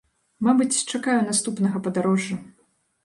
Мабыць, чакаю наступнага падарожжа.